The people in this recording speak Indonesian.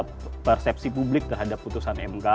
ini menunjukkan memang persepsi publik terhadap putusan mk